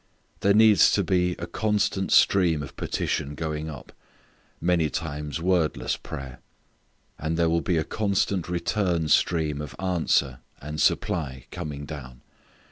There needs to be a constant stream of petition going up, many times wordless prayer. And there will be a constant return stream of answer and supply coming down.